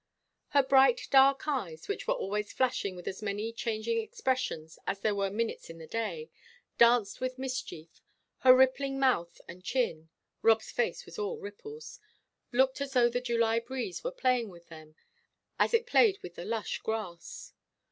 Her bright, dark eyes, which were always flashing with as many changing expressions as there were minutes in the day, danced with mischief; her rippling mouth and chin Rob's face was all ripples looked as though the July breeze were playing with them as it played with the lush grass.